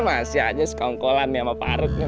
masih aja sekongkolan sama parutnya